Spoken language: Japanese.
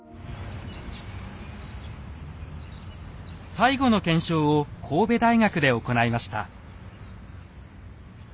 最後の検証を神戸大学で行いました。